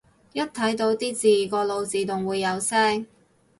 一睇到啲字個腦自動會有聲